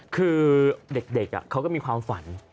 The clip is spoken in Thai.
คือเด็กเขาก็มีความฝัน